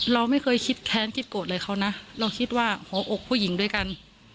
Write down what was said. เราไม่เคยคิดแค้นคิดโกรธอะไรเขานะเราคิดว่าหัวอกผู้หญิงด้วยกัน